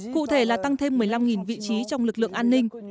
cụ thể là tăng thêm một mươi năm vị trí trong lực lượng an ninh